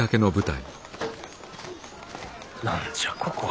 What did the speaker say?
何じゃここは。